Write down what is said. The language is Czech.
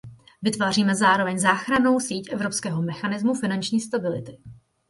Vytváříme zároveň záchrannou síť evropského mechanismu finanční stability.